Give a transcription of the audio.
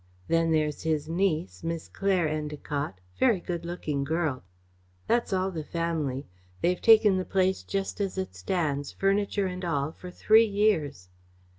Then there's his niece Miss Claire Endacott very good looking girl. That's all the family. They have taken the place just as it stands, furniture and all, for three years."